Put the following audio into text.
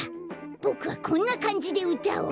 ボクはこんなかんじでうたおう！